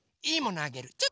いいものあげる。